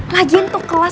lagiin tuh kelas